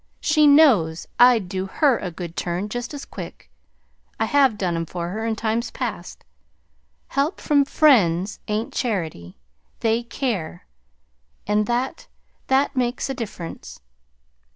She knows I'D do HER a good turn just as quick I have done 'em for her in times past. Help from FRIENDS ain't charity. They CARE; and that that makes a difference.